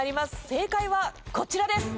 正解はこちらです。